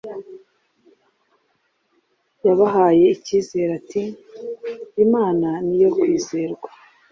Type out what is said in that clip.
yabahaye icyizere ati: “imana ni iyo kwizerwa